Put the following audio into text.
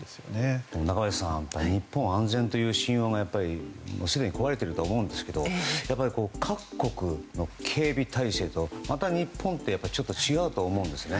中林さん日本が安全という神話はすでに壊れていると思うんですが各国の警備態勢とまた日本ってちょっと違うとは思うんですね。